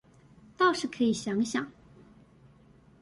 倒是可以想想